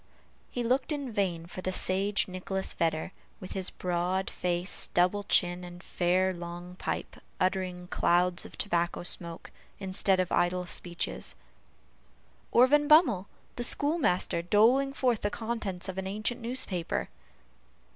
He looked in vain for the sage Nicholas Vedder, with his broad face, double chin, and fair long pipe, uttering clouds of tobacco smoke, instead of idle speeches; or Van Bummel, the schoolmaster, doling forth the contents of an ancient newspaper.